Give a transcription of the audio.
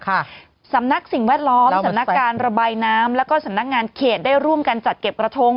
สำนักสิ่งแวดล้อมสำนักการระบายน้ำแล้วก็สำนักงานเขตได้ร่วมกันจัดเก็บกระทง